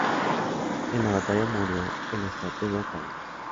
En la batalla murió el estratego Calias.